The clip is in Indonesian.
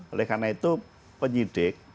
oleh karena itu penyidik